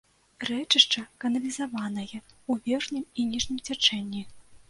Рэчышча каналізаванае ў верхнім і ніжнім цячэнні.